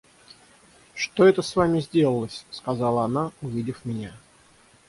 «Что это с вами сделалось? – сказала она, увидев меня.